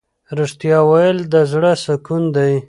ریښتیا ویل د زړه سکون دی.